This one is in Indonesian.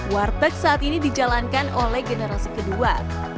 warteg saat ini dijalankan oleh generasi kedua